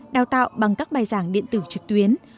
đào tạo bằng các bài giảng điện tử trực tuyến